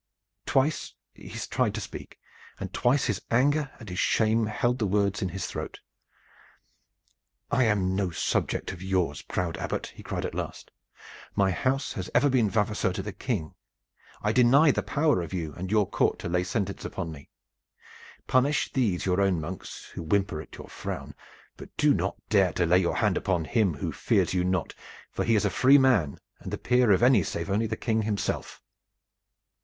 Twice he tried to speak, and twice his anger and his shame held the words in his throat. "I am no subject of yours, proud Abbot!" he cried at last. "My house has ever been vavasor to the King. I deny the power of you and your court to lay sentence upon me. Punish these your own monks, who whimper at your frown, but do not dare to lay your hand upon him who fears you not, for he is a free man, and the peer of any save only the King himself."